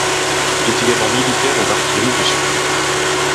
Il est également militaire au d’artillerie de Suippes.